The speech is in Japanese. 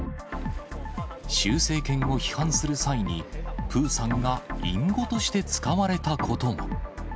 習政権を批判する際に、プーさんが隠語として使われたことも。